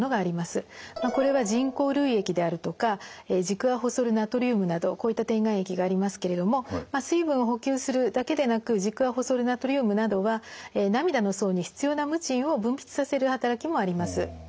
これは人工涙液であるとかジクアホソルナトリウムなどこういった点眼液がありますけれども水分を補給するだけでなくジクアホソルナトリウムなどは涙の層に必要なムチンを分泌させる働きもあります。